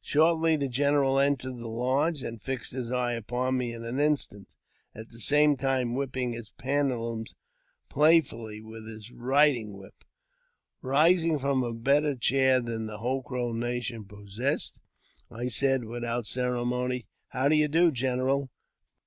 Shortly the general entered the lodge, and fixed his eye upon me in an instant, at the same time whipping his pantaloons playfully with his riding whip. JAMES P. BECKWOUBTH. 323 Rising from a better chair than the whole Crow nation possessed, I said, without ceremony, " How do you do, general?